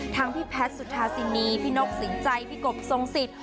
ทั้งพี่แพทย์สุธาศินีพี่นกศิริใจพี่กบทรงศิษย์